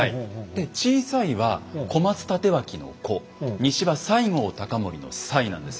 で「小さい」は小松帯刀の「小」「西」は西郷隆盛の「西」なんですよ。